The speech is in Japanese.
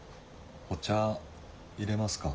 お茶いれますか？